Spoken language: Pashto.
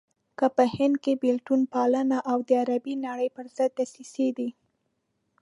که په هند کې بېلتون پالنه او د عربي نړۍ پرضد دسيسې دي.